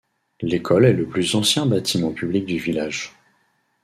L'école est le plus ancien bâtiment public du village.